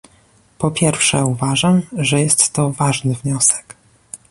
Po pierwsze uważam, że jest to ważny wniosek